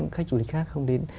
các du lịch khác không đến